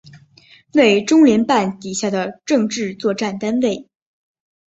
为中联办底下的政治作战单位。